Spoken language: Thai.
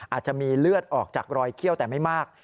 อาจจะมีเลือดออกจากรอยเขี้ยวแต่ไม่มาก